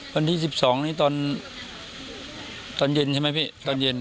วันที่๑๒นี่ตอนตอนเย็นใช่ไหมพี่ตอนเย็น